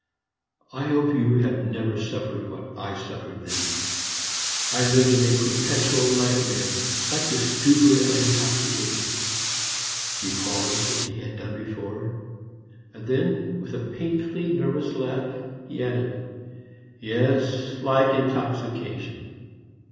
I hope you have never suffered what I suffered then. I lived in a perpetual nightmare like the stupor at intoxication." He paused, as he had done before, and then, with a painfully nervous laugh, he added, "Yes, like intoxication.